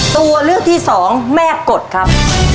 ตัวเลือกที่สองแม่กฎครับ